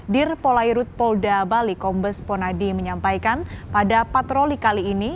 dir polairut polda bali kombes ponadi menyampaikan pada patroli kali ini